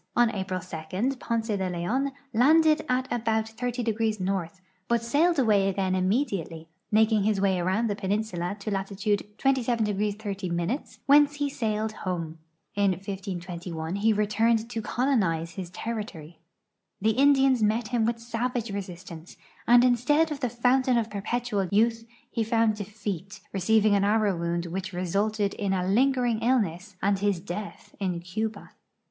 On Ai>ril 2 Ponce de Leon landed at about 30° N.,but sailed away again immediately, making his Avay around the i)eninsula to latitude 27° 30', whence he sailed home. In 1521 he returned to colonize his territory. The Indians met him with savage resistance, and instead of the fountain of per; ])etual youth he found defeat, receiving an arrow wound which resulted in a lingering illness and his death in Cuba.